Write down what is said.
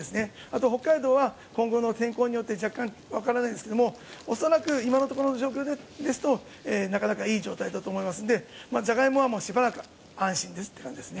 あと北海道は今後の天候によって若干わからないですが恐らく、今のところの状況ですとなかなかいい状態だと思いますのでジャガイモはしばらく安心ですという感じです。